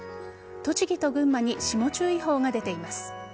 栃木と群馬に霜注意報が出ています。